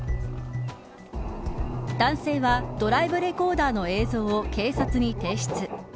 男性はドライブレコーダーの映像を警察に提出。